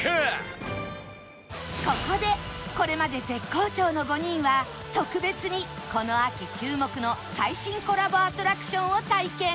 ここでこれまで絶好調の５人は特別にこの秋注目の最新コラボアトラクションを体験